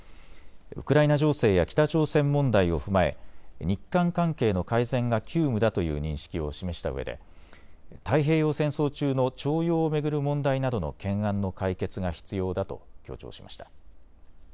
ウクライナ情勢や北朝鮮問題を踏まえ日韓関係の改善が急務だという認識を示したうえで太平洋戦争中の徴用を巡る問題などの懸案の解決が必要だと強調しました。